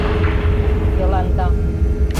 Йыланда...